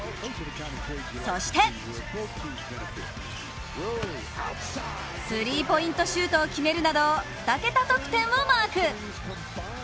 そしてスリーポイントシュートを決めるなど２桁得点をマーク。